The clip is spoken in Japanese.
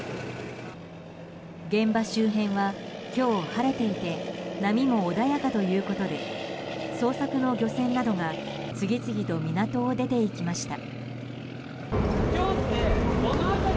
現場周辺は今日晴れていて波も穏やかということで捜索の漁船などが次々と港を出て行きました。